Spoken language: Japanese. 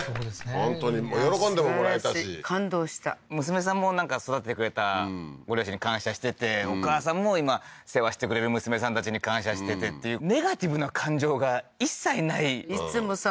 本当に喜んでももらえたし感動した娘さんもなんか育ててくれたご両親に感謝しててお母さんも今世話してくれる娘さんたちに感謝しててっていうネガティブな感情が一切ないいつもさ